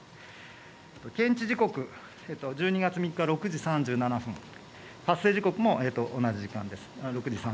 見知時刻、１２月３日６時３７分、発生時刻も同じ時間です。